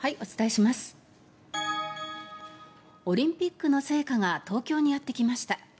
オリンピックの聖火が東京にやってきました。